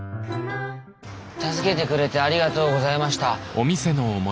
助けてくれてありがとうございました。